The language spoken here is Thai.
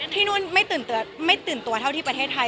ที่นู่นไม่ตื่นตัวเท่าที่ประเทศไทย